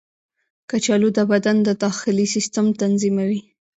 کچالو د بدن د داخلي سیسټم تنظیموي.